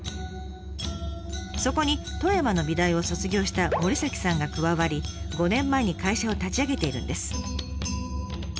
そこに富山の美大を卒業した森さんが加わり５年前に会社を立ち上げているんです。